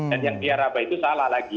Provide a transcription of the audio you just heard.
dan yang dia raba itu salah lagi